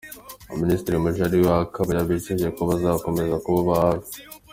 Minisitiri Mujawariya akaba yabijeje ko bazakomeza kubaba hafi.